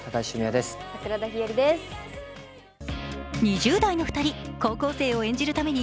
２０代の２人、高校生を演じるために、